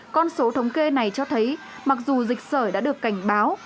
con số thống kê này cho thấy mặc dù dịch sởi đã được cảnh báo